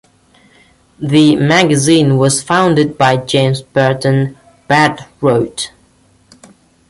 The magazine was founded by James Berton "Bert" Rhoads.